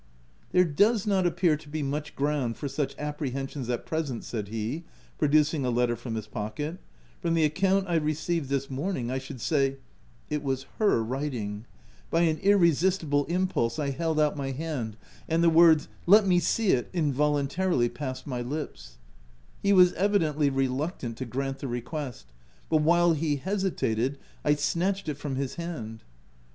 " There does not appear to be much ground for such apprehensions at present," said he, producing a letter from his pocket : u from the account I received this morning, 1 should say It was her writing ! By an irresistible im OF W1LDFELL HALL. 195 pulse, I held out my hand, and the words —" Let me see it," involuntarily passed my lips. He was evidently reluctant to grant the re quest, but while he hesitated, I snatched it from his hand.